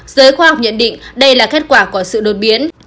giới khoa học nhận định đây là kết quả của sự đột biến